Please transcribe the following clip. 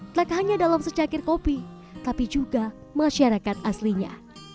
tidak hanya dalam secagir kopi tapi juga masyarakat aslinya